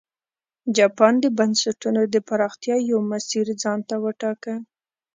جاپان د بنسټونو د پراختیا یو مسیر ځان ته وټاکه.